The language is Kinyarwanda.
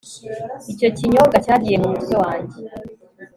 Icyo kinyobwa cyagiye mumutwe wanjye